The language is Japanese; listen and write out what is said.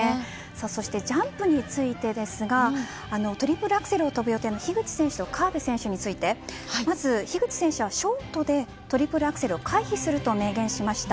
そしてジャンプについてですがトリプルアクセルを跳ぶ予定の樋口選手の河辺選手について樋口選手は、まずショートでトリプルアクセルを回避すると明言しました。